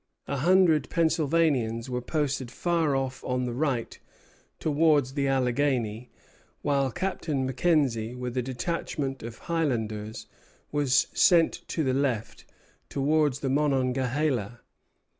A hundred Pennsylvanians were posted far off on the right, towards the Alleghany, while Captain Mackenzie, with a detachment of Highlanders, was sent to the left, towards the Monongahela.